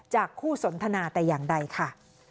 คู่สนทนาแต่อย่างใดค่ะ